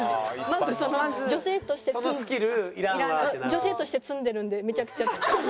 女性として詰んでるんでめちゃくちゃツッコミ。